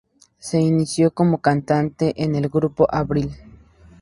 Se inició como cantante en el grupo Abril.